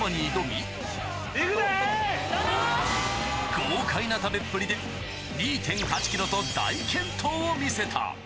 豪快な食べっぷりで、２．８キロと大健闘を見せた。